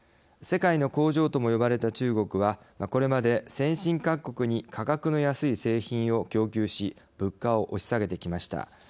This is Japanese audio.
世界の工場とも呼ばれた中国はこれまで先進各国に価格の安い製品を供給し物価を押し下げてきました。